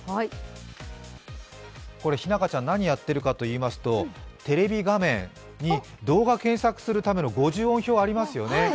これ、ひなかちゃん、何をやっているかといいますと、テレビ画面に、動画検索するための五十音表がありますよね。